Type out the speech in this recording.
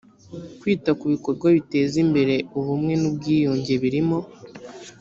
kwita ku bikorwa biteza imbere ubumwe n ubwiyunge birimo